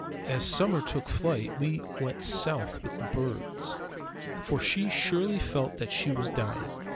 As summer took flight we went south with the birds. For she surely felt that she was dying.